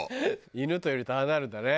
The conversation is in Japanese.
犬といるとああなるんだね。